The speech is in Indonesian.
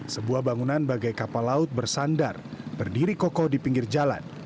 sebuah bangunan bagai kapal laut bersandar berdiri kokoh di pinggir jalan